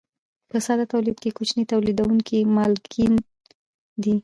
په ساده تولید کې کوچني تولیدونکي مالکان دي.